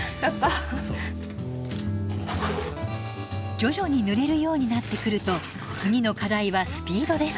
徐々に塗れるようになってくると次の課題はスピードです。